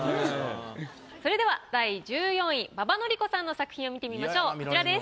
それでは第１４位馬場典子さんの作品を見てみましょうこちらです。